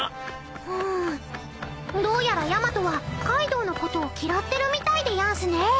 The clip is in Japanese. ［うんどうやらヤマトはカイドウのことを嫌ってるみたいでやんすね］